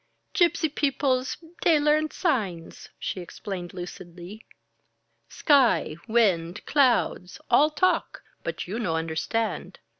"Gypsy peoples, dey learn signs," she explained lucidly. "Sky, wind, clouds all talk but you no understand.